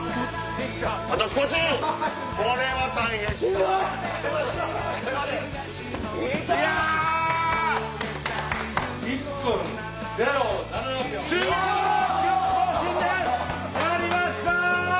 やりました！